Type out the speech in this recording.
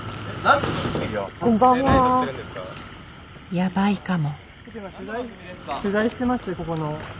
やばいかも。